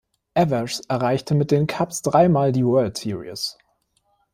Evers erreichte mit den Cubs dreimal die World Series.